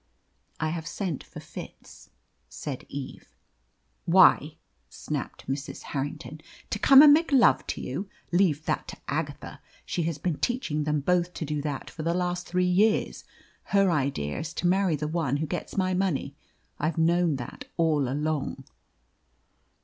"I have sent for Fitz," said Eve. "Why?" snapped Mrs. Harrington. "To come and make love to you? Leave that to Agatha. She has been teaching them both to do that for the last three years. Her idea is to marry the one who gets my money. I've known that all along."